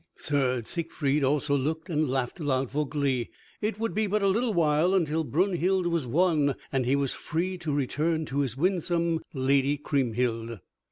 Sir Siegfried also looked and laughed aloud for glee. It would be but a little while until Brunhild was won and he was free to return to his winsome lady Kriemhild.